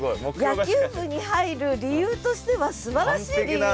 野球部に入る理由としてはすばらしい理由だ。